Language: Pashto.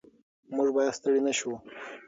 موږ باید ستړي نه شو.